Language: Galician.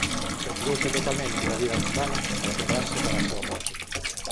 Retirouse totalmente da vida mundana para prepararse para a súa morte.